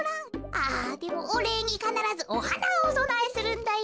あでもおれいにかならずおはなをおそなえするんだよ。